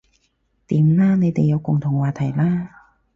掂啦你哋有共同話題喇